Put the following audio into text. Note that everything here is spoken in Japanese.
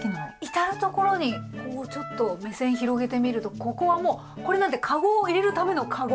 至る所にこうちょっと目線広げてみるとここはもうこれなんてカゴを入れるためのカゴ。